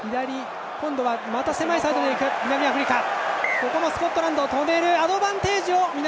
ここもスコットランド、止めた。